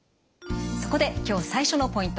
そこで今日最初のポイント